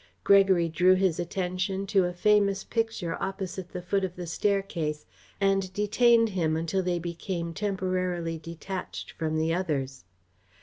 Gregory drew his attention to a famous picture opposite the foot of the staircase and detained him until they became temporarily detached from the others.